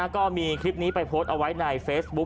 ก็มีคลิปนี้ไปโพสต์เอาไว้ในเฟซบุ๊ค